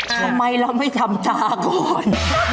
ทำไมเราไม่ทำตาก่อน